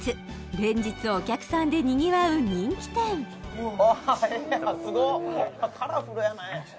連日お客さんでにぎわう人気店あすごカラフルやね